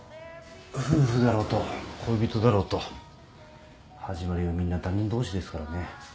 夫婦だろうと恋人だろうと始まりはみんな他人同士ですからね。